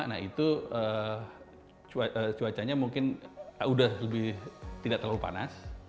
nah itu cuacanya mungkin sudah lebih tidak terlalu panas